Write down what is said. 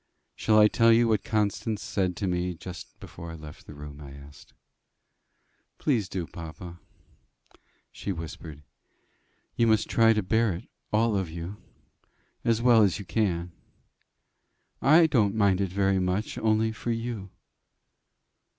"Shall I tell you what Constance said to me just before I left the room?" I asked. "Please do, papa." "She whispered, 'You must try to bear it, all of you, as well as you can. I don't mind it very much, only for you.